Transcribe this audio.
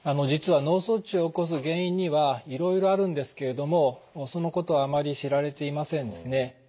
実は脳卒中を起こす原因にはいろいろあるんですけれどもそのことはあまり知られていませんですね。